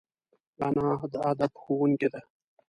انا د ادب ښوونکې ده